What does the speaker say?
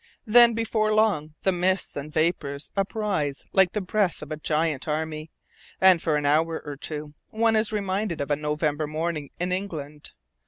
Then before long the mists and vapors uprise like the breath of a giant army, and for an hour or two, one is reminded of a November morning in England.